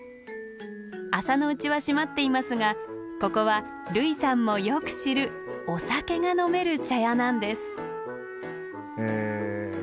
朝のうちは閉まっていますがここは類さんもよく知るお酒が飲める茶屋なんです。